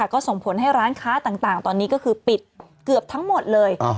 ก็ส่งผลให้ร้านค้าต่างตอนนี้ก็คือปิดเกือบทั้งหมดเลย